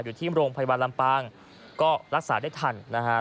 อยู่ที่โรงพยาบาลลำปางก็รักษาได้ทันนะฮะ